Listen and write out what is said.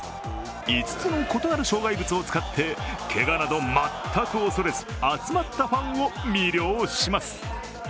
５つの異なる障害物を使ってけがなど全く恐れず集まったファンを魅了します。